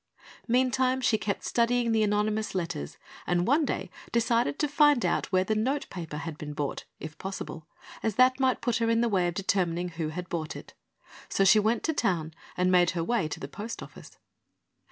Meantime she kept studying the anonymous letters and one day decided to find out where the notepaper had been bought, if possible, as that might put her in the way of determining who had bought it. So she went to town and made her way to the post office.